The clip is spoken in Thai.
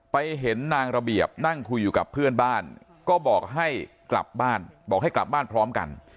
ไปเห็นนางระเบียบนั่งคุยอยู่กับเพื่อนบ้านก็บอกให้กลับบ้านพร้อมกัน